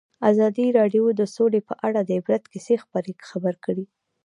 ازادي راډیو د سوله په اړه د عبرت کیسې خبر کړي.